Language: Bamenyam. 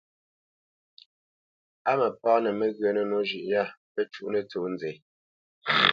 Á mǝpǎnǝ mǝghyǝnǝ nǒ zhʉ́ ya pǝ cuʼnǝ tsó nzɛ́.